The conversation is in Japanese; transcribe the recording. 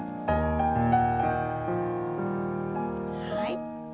はい。